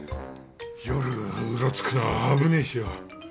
夜うろつくのは危ねえしよ。